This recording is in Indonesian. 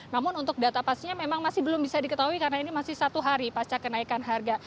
namun untuk data pastinya memang masih belum bisa diketahui karena ini masih satu hari pasca kenaikan harga